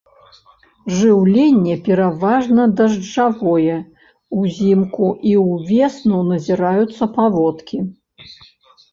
Жыўленне пераважна дажджавое, узімку і ўвесну назіраюцца паводкі.